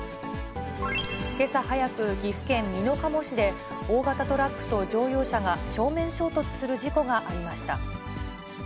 けさ早く、岐阜県美濃加茂市で、大型トラックと乗用車が正面衝突する事故がありました。